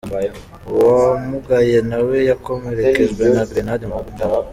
Uwamugaye nawe yakomerekejwe na Grenade mu nda.